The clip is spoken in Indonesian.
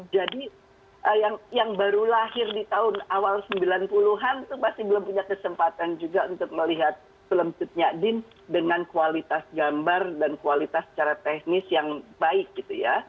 jadi yang baru lahir di tahun awal sembilan puluh an itu masih belum punya kesempatan juga untuk melihat film cutnya din dengan kualitas gambar dan kualitas secara teknis yang baik gitu ya